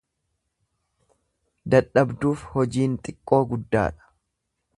Dadhabduuf hojiin xiqqoo guddaadha.